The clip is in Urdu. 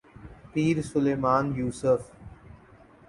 پیرسلمان یوسف۔